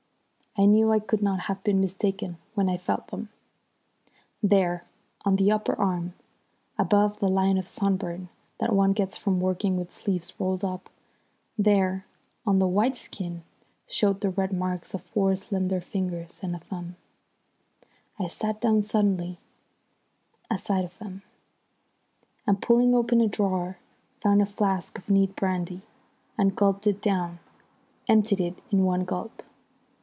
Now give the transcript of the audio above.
I knew I could not have been mistaken when I felt them. There on the upper arm, above the line of sunburn that one gets from working with sleeves rolled up, there on the white skin showed the red marks of four slender fingers and a thumb! I sat down suddenly at sight of them, and pulling open a drawer, found a flask of neat brandy, and gulped it down, emptied it in one gulp.